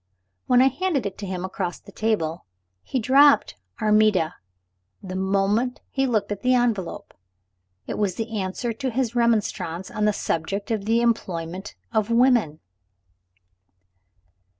When I handed it to him across the table, he dropped "Armida" the moment he looked at the envelope. It was the answer to his remonstrance on the subject of the employment of women.